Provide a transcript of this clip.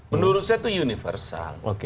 menurut saya itu universal